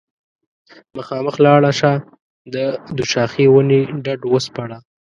مخامخ لاړه شه د دوشاخې ونې ډډ وسپړه